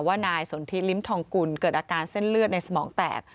นายสนทิลิ้มทองกุลเกิดอาการเส้นเลือดในสมองแตก